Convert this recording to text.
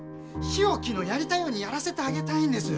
日置のやりたいようにやらせてあげたいんです。